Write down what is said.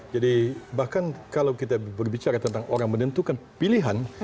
jadi bahkan kalau kita berbicara tentang orang menentukan pilihan